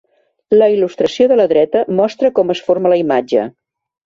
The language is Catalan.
La il·lustració de la dreta mostra com es forma la imatge.